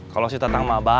kalau si tatang mah baik